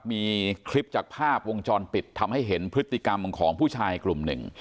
มีคลิปจากภาพวงจรปิดทำให้เห็นพฤติกรรมของผู้ชายกลุ่มหนึ่ง